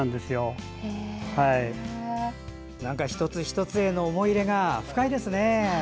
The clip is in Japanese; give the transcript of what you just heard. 一つ一つへの思い入れが深いですね。